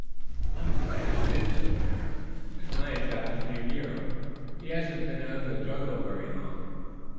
"I'm glad you did," said the bear. "This lion chap is named Nero. He hasn't been out of the jungle very long."